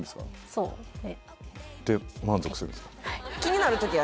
そうで満足するんですか？